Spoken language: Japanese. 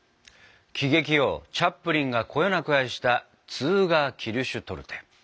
喜劇王チャップリンがこよなく愛したツーガー・キルシュトルテ。